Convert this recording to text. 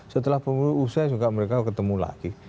setelah pemilu usai juga mereka ketemu lagi